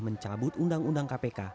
mencabut undang undang kpk